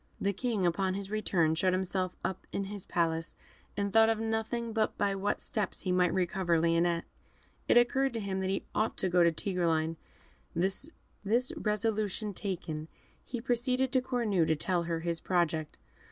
The King, upon his return, shut himself up in his palace, and thought of nothing but by what steps he might recover Lionette. It occurred to him he ought to go to Tigreline. This resolution taken, he proceeded to Cornue to tell her his project.